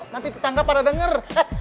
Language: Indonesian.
nanti tetangga pada denger